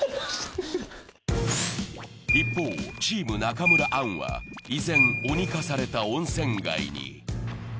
一方、チーム中村アンは依然、鬼化された温泉街に。